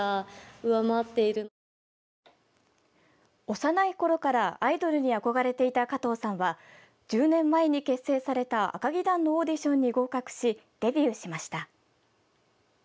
幼いころからアイドルに憧れていた加藤さんは１０年前に結成された「あかぎ団」のオーディションに合格しデビューしました。